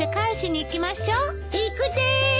行くです！